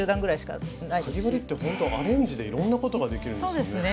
かぎ針ってほんとアレンジでいろんなことができるんですね。